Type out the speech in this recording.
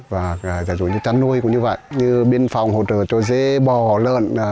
và giả dụ như chăn nuôi cũng như vậy như biên phòng hỗ trợ cho dế bò lớn